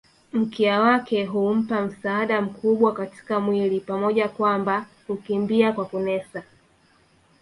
Mkia wake hummpa msaada mkubwa katika mwili pamoja kwamba hukimbia kwa kunesa